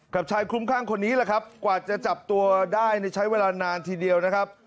ชายคุ้มข้างคนนี้แหละครับกว่าจะจับตัวได้ในใช้เวลานานทีเดียวนะครับ